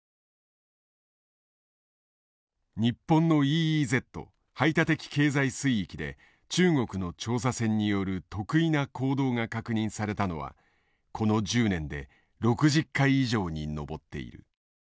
日本のＥＥＺ排他的経済水域で中国の調査船による特異な行動が確認されたのはこの１０年で６０回以上に上っている。